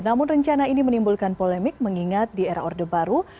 namun rencana ini menimbulkan polemik mengingat di era orde baru